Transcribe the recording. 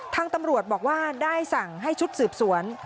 ทางตำรวจบอกว่าได้สั่งให้ชุดสืบสวน